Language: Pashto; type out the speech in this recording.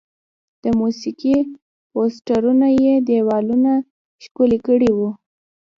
د موسیقي پوسټرونه یې دیوالونه ښکلي کړي وي.